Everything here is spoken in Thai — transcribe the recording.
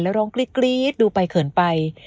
แล้วร้องกรี๊ดดูไปเขินไป